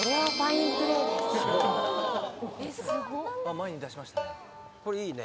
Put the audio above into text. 前に出しましたね